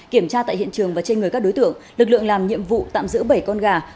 kiểm tra tại hiện trường và trên người các đối tượng lực lượng làm nhiệm vụ tạm giữ bảy con gà